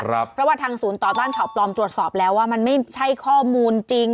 เพราะว่าทางศูนย์ต่อต้านข่าวปลอมตรวจสอบแล้วว่ามันไม่ใช่ข้อมูลจริง